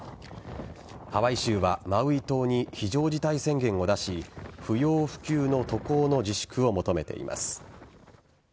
ハワイ州はマウイ島に非常事態宣言を出し不要不急の渡航の自粛を求めています。